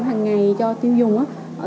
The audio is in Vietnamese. hằng ngày cho tiêu dùng á